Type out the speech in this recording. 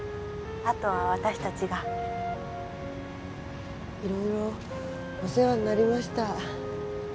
あとは私達が色々お世話になりました